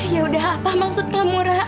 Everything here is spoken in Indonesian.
ya udah apa maksud kamu rak